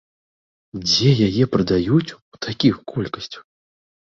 Дзе яе прадаюць у такіх колькасцях?